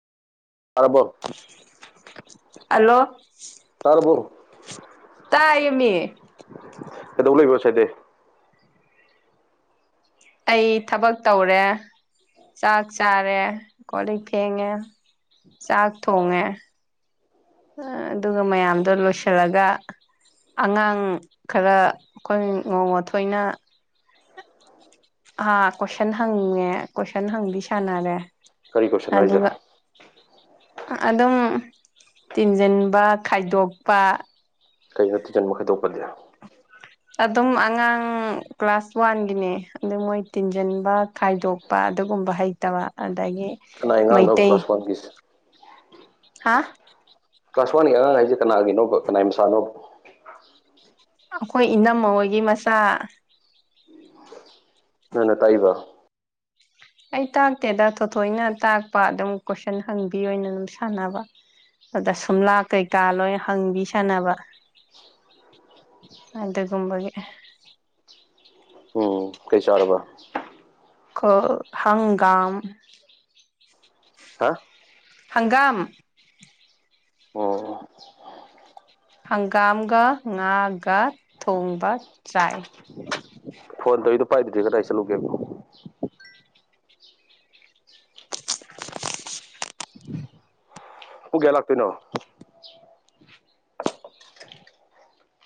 ꯇꯥꯔꯕꯣ ꯍꯜꯂꯣ ꯇꯥꯔꯕꯣ ꯇꯥꯏꯌꯦꯃꯤ ꯀꯩꯗꯧ ꯂꯩꯕ ꯁꯥꯏꯗꯩ ꯑꯩ ꯊꯕꯛ ꯇꯧꯔꯦ ꯆꯥꯛ ꯆꯥꯔꯦ ꯀꯣꯂꯤꯛ ꯐꯦꯡꯉꯦ ꯆꯥꯛ ꯊꯣꯡꯉꯦ ꯑꯗꯨꯒ ꯃꯌꯥꯝꯗꯣ ꯂꯣꯏꯁꯤꯜꯂꯒ ꯑꯉꯥꯡ ꯈꯔ ꯑꯩꯈꯣꯏ ꯅꯣꯡꯃ ꯊꯣꯏꯅ ꯑ ꯀꯣꯢꯁꯟ ꯍꯪꯉꯦ ꯀꯣꯢꯁꯟ ꯍꯪꯕꯤ ꯁꯥꯅꯔꯦ ꯀꯔꯤ ꯀꯣꯢꯁꯟꯅꯣ ꯍꯥꯏꯖꯤꯕꯨ ꯑꯗꯨꯝ ꯇꯤꯟꯖꯤꯟꯕ ꯈꯥꯏꯗꯣꯛꯄ ꯀꯩꯅꯣ ꯊꯨꯖꯟꯕ ꯈꯥꯏꯗꯣꯛꯄꯗꯤ ꯑꯗꯨꯝ ꯑꯉꯥꯡ ꯀ꯭ꯂꯥꯁ ꯋꯥꯟꯒꯤꯅꯦ ꯑꯗꯨ ꯃꯣꯏ ꯇꯤꯟꯖꯟꯕ ꯈꯥꯏꯗꯣꯛꯄ ꯑꯗꯨ ꯑꯗꯨꯒꯨꯝꯕ ꯍꯩꯇꯕ ꯑꯗꯒꯤ ꯀꯅꯥꯢ ꯑꯉꯥꯡꯅꯣ ꯀ꯭ꯂꯥꯁ ꯋꯥꯟꯒꯤꯁ ꯍꯥꯥ ꯀ꯭ꯂꯥꯁ ꯋꯥꯟꯒꯤ ꯑꯉꯥꯡ ꯍꯥꯏꯁꯦ ꯀꯅꯥꯒꯤꯅꯣꯕ ꯀꯅꯥꯢ ꯃꯆꯥꯅꯣꯕ ꯑꯈꯣꯏ ꯏꯅꯝꯍꯣꯏꯒꯤ ꯃꯆꯥ ꯅꯪꯅ ꯇꯥꯛꯏꯕ ꯑꯩ ꯇꯥꯛꯇꯦꯗ ꯊꯣꯊꯣꯏꯅ ꯇꯥꯛꯄ ꯑꯗꯨꯝ ꯀꯣꯏꯁꯟ ꯍꯪꯕꯤ ꯑꯣꯏꯅ ꯑꯗꯨꯝ ꯁꯥꯟꯅꯕ ꯑꯗ ꯁꯨꯝꯂꯥꯛ ꯀꯩꯀꯥ ꯂꯣꯏ ꯍꯪꯕꯤ ꯁꯥꯟꯅꯕ ꯑꯗꯒꯨꯝꯕꯒꯤ ꯎꯝ ꯀꯩ ꯆꯥꯔꯕ ꯀ ꯍꯪꯒꯥꯝ ꯍꯥ ꯍꯪꯒꯥꯝ ꯑꯣ ꯑꯣ ꯍꯪꯒꯥꯝꯒ ꯉꯥꯒ ꯊꯣꯡꯕ ꯆꯥꯏ ꯐꯣꯟ ꯇꯩꯗꯣ ꯄꯥꯏꯗ꯭ꯔꯗꯤ ꯀꯗꯥꯏ ꯆꯠꯂꯨꯒꯦꯀꯣ ꯄꯨꯡ ꯀꯌꯥ ꯂꯥꯛꯇꯣꯏꯅꯣ